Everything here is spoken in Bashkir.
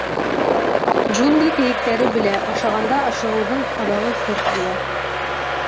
Джунгли кейектәре белә: ашағанда ашығыуҙың аҙағы хөрт була.